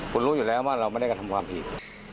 คุณรู้อยู่แล้วว่าเราไม่ได้กระทำความผิด